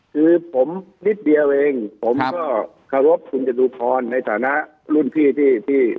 คือผมนิดเดียวเองผมก็ขอรบคุณเจดูพรในฐานะรุ่นพี่